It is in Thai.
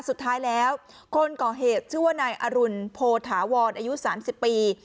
สุดท้ายแล้วคนก่อเหตุชื่อว่านายอรุณโพธาวรอายุ๓๐ปี